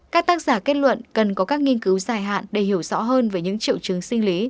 các tác giả kết luận cần có các nghiên cứu dài hạn để hiểu rõ hơn về những triệu chứng sinh lý